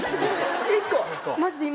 １個！